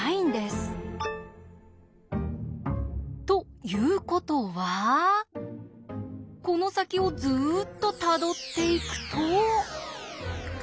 ということはこの先をずっとたどっていくと。